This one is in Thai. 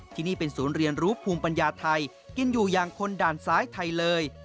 ที่นี่เป็นศูนย์เรียนรู้ภูมิปัญญาไทยกินอยู่อย่างคนด่านซ้ายไทยเลย